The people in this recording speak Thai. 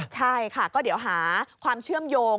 ใช่ก็เหลือหาความเชื่อมโยง